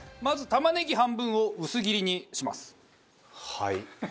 まず玉ねぎ半分を薄切りにします。